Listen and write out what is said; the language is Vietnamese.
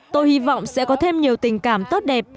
tôi hy vọng sẽ có thêm nhiều tình cảm tốt đẹp